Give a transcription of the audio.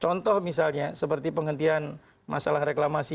contoh misalnya seperti penghentian masalah reklamasi